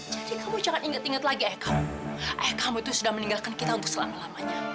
jadi kamu jangan ingat ingat lagi ayah kamu ayah kamu itu sudah meninggalkan kita untuk selama lamanya